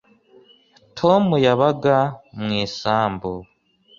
tom yabaga mu isambu